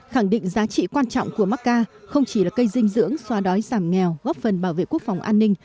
khẳng định giá trị quan trọng của macca không chỉ là cây dinh dưỡng xóa đói giảm nghèo góp phần bảo vệ quốc phòng an ninh